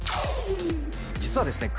実はですね